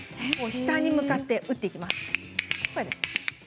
下に向かって打っていきます。